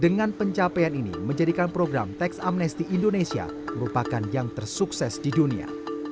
dengan pencapaian ini menjadikan program teks amnesty indonesia merupakan yang tersukses di dunia